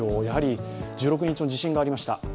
やはり１６日の地震がありました。